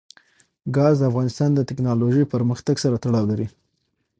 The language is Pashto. ګاز د افغانستان د تکنالوژۍ پرمختګ سره تړاو لري.